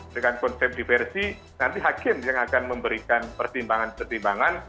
dengan konsep diversi nanti hakim yang akan memberikan pertimbangan pertimbangan